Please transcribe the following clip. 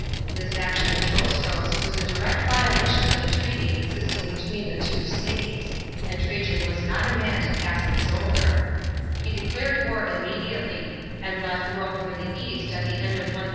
This action of Chosroes was a direct violation of the treaty existing between the two states, and Trajan was not a man to pass this over, lie declared war immediately, and left Rome for the east at the end of 113 A.I).